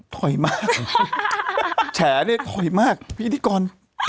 ถอยมากแฉเนี่ยถอยมากพิธีกร